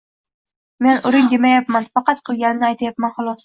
— Men uring demayapman, faqat qilganini aytayapman, xolos.